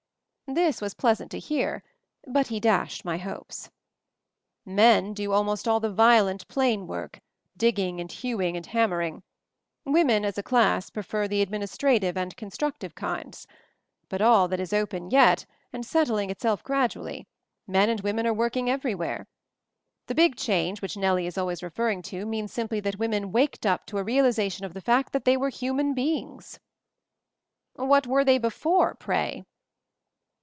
This was pleasant to hear, but he dashed my hopes. "Men do almost all the violent plain work digging and hewing and hammering; wo men, as a class, prefer the administrative and constructive kinds. But all that is open yet, and settling itself gradually; men and women are working everywhere. The big "\ change which Nellie is always referring to means simply that women 'waked up* to a realization of the fact that they were human beings." "What were they before, pray?"